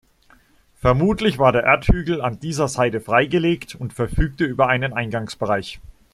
Vermutlich war der Erdhügel an dieser Seite freigelegt und verfügte über einen Eingangsbereich.